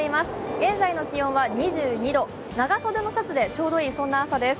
現在の気温は２２度、長袖のシャツでちょうどいい、そんな朝です。